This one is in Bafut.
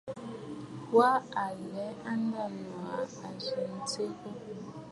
Wa alɛ nda ŋû aa a zi tsiʼì yù.